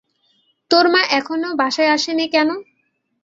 তোর মা এখনো বাসায় আসেনি কেন?